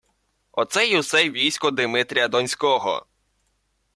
Оце й усе військо Димитрія Донського